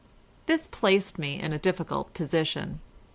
This placed me in a difficult position.